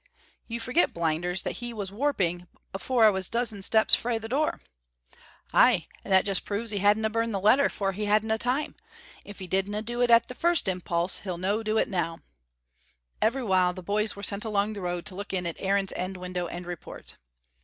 "You forget, Blinders, that he was warping afore I was a dozen steps frae the door." "Ay, and that just proves he hadna burned the letter, for he hadna time. If he didna do it at the first impulse, he'll no do it now." Every little while the boys were sent along the road to look in at Aaron's end window and report.